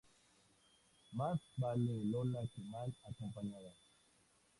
Más vale Lola que mal acompañada".